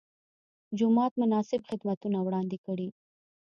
جومات مناسب خدمتونه وړاندې کړي.